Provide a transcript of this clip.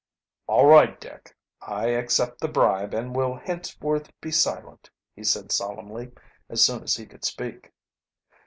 "All right, Dick, I accept the bribe and will henceforth be silent," he said solemnly, as soon as he could speak.